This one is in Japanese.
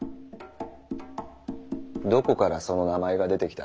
どこからその名前が出てきた？